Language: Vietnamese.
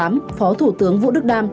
phó thủ tướng vũ đức đam